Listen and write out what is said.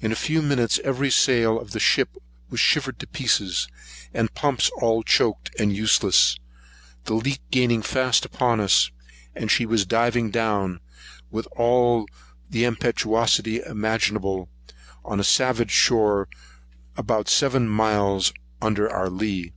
In a few minutes every sail of the ship was shivered to pieces; the pumps all choaked, and useless; the leak gaining fast upon us; and she was driving down, with all the impetuosity imaginable, on a savage shore, about seven miles under our lee.